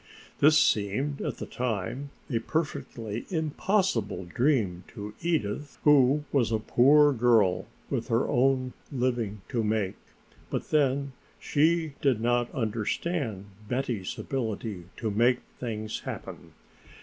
This seemed at the time a perfectly impossible dream to Edith, who was a poor girl with her own living to make, but then she did not understand Betty's ability to make things happen.